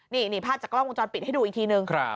นี่ภาพจากกล้องวงจรปิดให้ดูอีกทีนึง